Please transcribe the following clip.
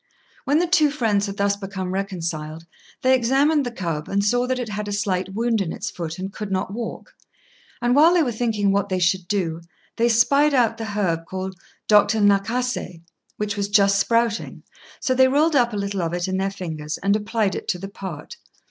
When the two friends had thus become reconciled, they examined the cub, and saw that it had a slight wound in its foot, and could not walk; and while they were thinking what they should do, they spied out the herb called "Doctor's Nakasé," which was just sprouting; so they rolled up a little of it in their fingers and applied it to the part.